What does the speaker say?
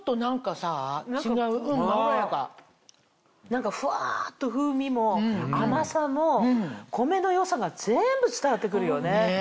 何かふわっと風味も甘さも米の良さが全部伝わって来るよね。